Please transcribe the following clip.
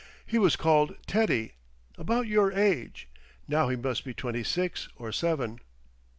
"He was called Teddy... about your age.... Now he must be twenty six or seven."